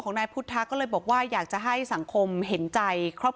คุณครับ